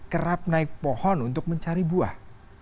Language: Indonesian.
kerap naik pohon untuk mencari buah